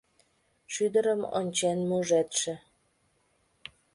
Шӱдырым ончен мужедше